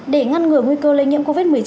để ngăn ngừa nguy cơ lây nhiễm covid một mươi chín